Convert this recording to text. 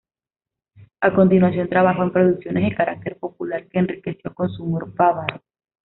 A continuación trabajó en producciones de carácter popular, que enriqueció con su humor bávaro.